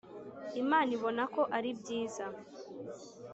Imana ibona ko ari byiza